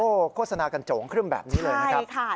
โฆษณากันโจ๋งครึ่มแบบนี้เลยนะครับ